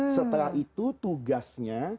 setelah itu tugasnya